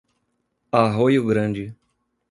Arroio Grande